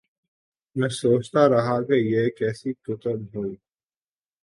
میں سوچتارہا کہ یہ کیسی کتب ہوں۔